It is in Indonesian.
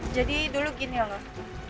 jadi dulu gini loh